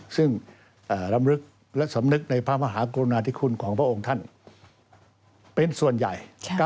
ซึ่งรำลึกและสำนึกในพระมหากรุณาธิคุณของพระองค์ท่านเป็นส่วนใหญ่